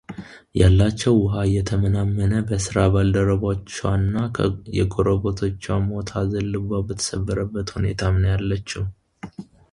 ያላቸው ውሃ እየተመናመነ በስራ ባልደረቦቿ እና የጎረቤቶቿ ሞት ሃዘን ልቧ በተሰበረበት ሁኔታም ነው ያለችው።